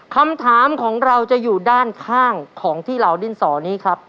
คำถามของเราจะอยู่ด้านข้างของที่เหล่าดินสอนี้ครับ